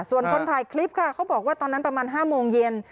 ส่วนคนถ่ายคลิปค่ะเขาบอกว่าตอนนั้นประมาณ๕โมงเย็น